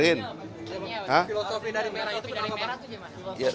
filosofi dari merah itu berapa